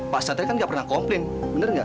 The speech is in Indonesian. pak satria kan nggak pernah komplain bener nggak